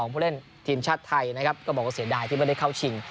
ผู้เล่นทีมชาติไทยนะครับก็บอกว่าเสียดายที่ไม่ได้เข้าชิง